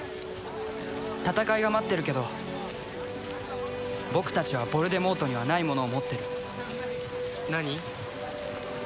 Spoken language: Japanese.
戦いが待ってるけど僕たちはヴォルデモートにはないものを持ってる何？